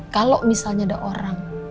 kalau misalnya ada orang